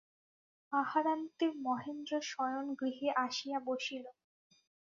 আহারান্তে মহেন্দ্র শয়নগৃহে আসিয়া বসিল।